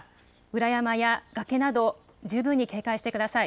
裏山や崖など十分に警戒してください。